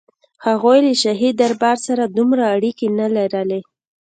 هغوی له شاهي دربار سره دومره اړیکې نه لرلې.